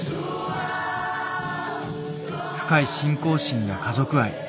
深い信仰心や家族愛。